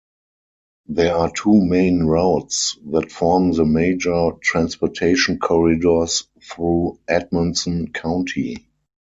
There are two main routes that form the major transportation corridors through Edmonson County.